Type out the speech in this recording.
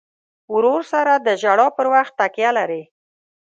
ورور سره د ژړا پر وخت تکیه لرې.